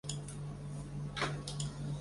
其特点是流畅的线条与粗细的转换。